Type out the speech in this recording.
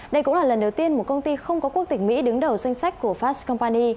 đây cũng là lần đầu tiên một công ty không có quốc tịch mỹ đứng đầu danh sách của fascompany